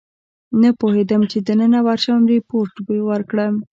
نه پوهېدم چې دننه ورشم ریپورټ ورکړم.